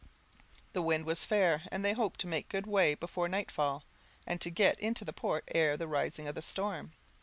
The wind was fair, and they hoped to make good way before nightfall, and to get into port ere the rising of the storm.